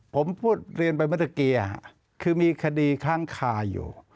ผมพูดเรียนไปเมื่อตะกี้คือมีคดีค้างคาอยู่